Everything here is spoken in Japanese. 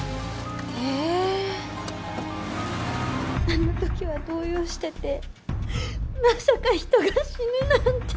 あのときは動揺しててまさか人が死ぬなんて。